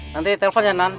nanti telfon ya nan